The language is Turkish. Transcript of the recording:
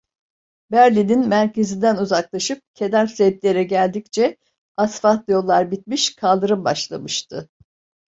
Berlin'in merkezinden uzaklaşıp kenar semtlere geldikçe asfalt yollar bitmiş, kaldırım başlamıştı.